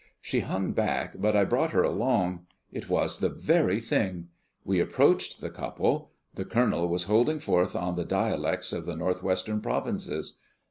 She hung back, but I brought her along. It was the very thing! We approached the couple. The Colonel was holding forth on the dialects of the North Western Provinces.